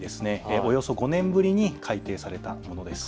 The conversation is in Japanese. およそ５年ぶりに改定されたところです。